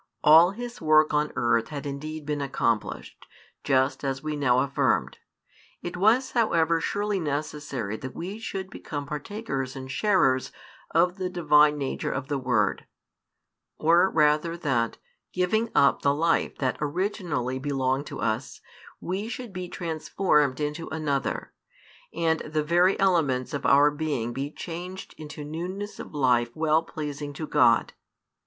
All His work on earth had indeed been accomplished, as we just now affirmed. It was however surely necessary that we should become partakers and sharers of the Divine Nature of the Word; or rather that, giving up the life that originally belonged to us, we should be transformed into another, and the very elements of our being be changed into newness of life well pleasing to God.